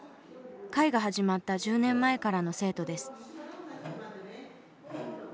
会が始まった１０年前からの生徒です。